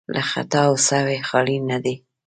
له خطا او سهوی خالي نه دي.